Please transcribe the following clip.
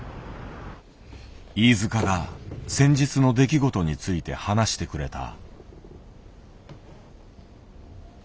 飯塚が先日の出来事について話してくれた。